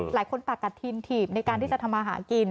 หลายคนปากกัดทีมในการที่จะทำอาหารกิน